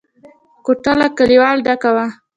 کوټه له کليوالو ډکه وه.